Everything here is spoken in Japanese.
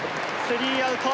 スリーアウト。